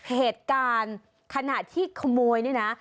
เหตุการณ์ขณะที่ขโมยนี่นะ